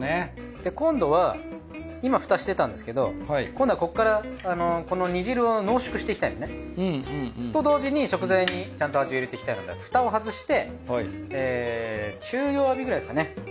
で今度は今蓋してたんですけど今度はここからこの煮汁を濃縮していきたいんですね。と同時に食材にちゃんと味を入れていきたいので蓋を外して中弱火くらいですかね。